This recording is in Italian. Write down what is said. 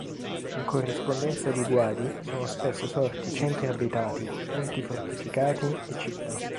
In corrispondenza di guadi sono spesso sorti centri abitati, punti fortificati e città.